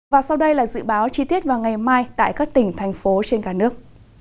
và sau đây là dự báo chi tiết vào ngày mai tại các tỉnh thành phố trên cả nước